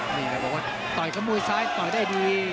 นี่แหละโบ๊ทต่อยกระมุยซ้ายต่อยได้ดี